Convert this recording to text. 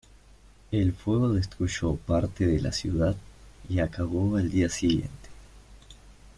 El fuego destruyó parte de la ciudad y acabó al día siguiente.